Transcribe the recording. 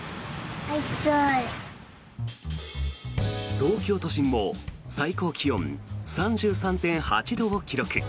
東京都心も最高気温３３．８度を記録。